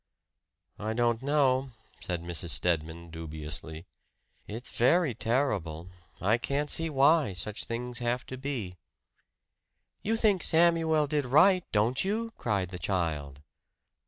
"I don't know," said Mrs. Stedman dubiously. "It's very terrible I can't see why such things have to be." "You think that Samuel did right, don't you?" cried the child.